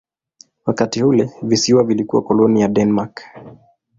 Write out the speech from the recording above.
Wakati ule visiwa vilikuwa koloni ya Denmark.